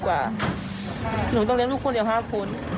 หนูต้องเลี้ยงลูกคนเดียว๕คน